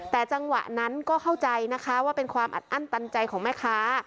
แต่จังหวะนั้นก็เข้าใจนะคะว่าเป็นความอัดอั้นตันใจของแม่ค้า